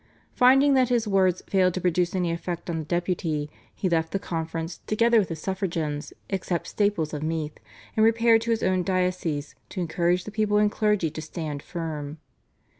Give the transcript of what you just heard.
Finding that his words failed to produce any effect on the Deputy he left the conference, together with his suffragans, except Staples of Meath, and repaired to his own diocese to encourage the people and clergy to stand firm.